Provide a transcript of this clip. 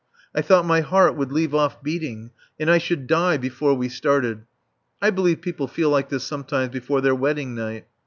I thought my heart would leave off beating and I should die before we started (I believe people feel like this sometimes before their wedding night).